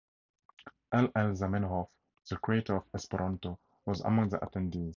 L. L. Zamenhof, the creator of Esperanto, was among the attendees.